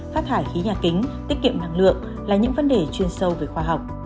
phát thải khí nhà kính tiết kiệm năng lượng là những vấn đề chuyên sâu về khoa học